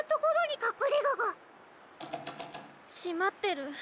しまってる。